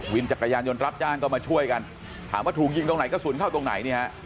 จักรยานยนต์รับจ้างก็มาช่วยกันถามว่าถูกยิงตรงไหนกระสุนเข้าตรงไหนเนี่ยฮะ